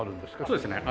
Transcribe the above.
そうですね。